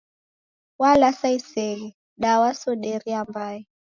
Walasa iseghe, da wasoderia mbai.